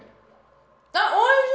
あっおいしい！